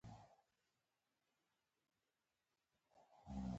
افغانستان په خاوره باندې تکیه لري.